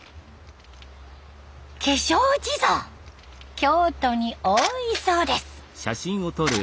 京都に多いそうです。